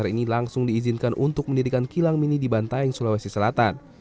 r ini langsung diizinkan untuk mendirikan kilang mini di bantaeng sulawesi selatan